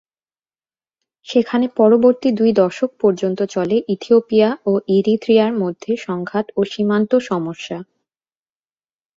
সেখানে পরবর্তী দুই দশক পর্যন্ত চলে ইথিওপিয়া ও ইরিত্রিয়ার মধ্যে সংঘাত ও সীমান্ত সমস্যা।